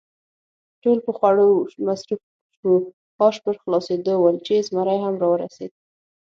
ټول په خوړو مصروف شوو، آش پر خلاصېدو ول چې زمري هم را ورسېد.